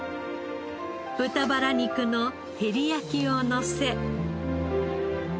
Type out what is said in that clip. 豚バラ肉の照り焼きをのせ。